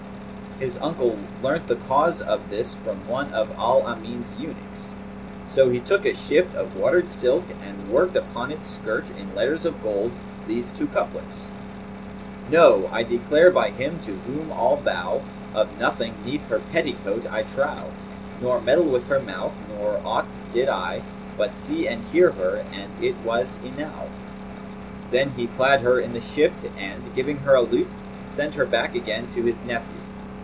His uncle learnt the cause of this from one of al Amin's eunuchs; so he took a shift of watered silk and worked upon its skirt, in letters of gold, these two couplets, "No! I declare by Him to whom all bow, * Of nothing 'neath her petticoat I trow: Nor meddle with her mouth; nor aught did I * But see and hear her, and it was enow!" Then he clad her in the shift and, giving her a lute, sent her back again to his nephew.